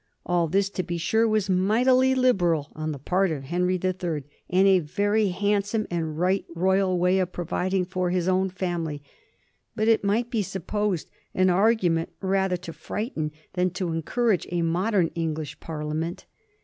All this, to be sure, was mightily liberal on the part of Henry the Third, and a very hand some and right royal way of providing for his own fami ly; but it might be supposed an argument rather to frighten than to encourage a modem English Parliament.